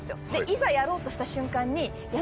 いざやろうとした瞬間に。